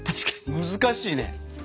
難しいね。